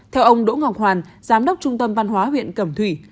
theo ông đỗ ngọc hoàn giám đốc trung tâm văn hóa huyện cẩm thủy